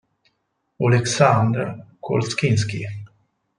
Oleksandr Kolčyns'kyj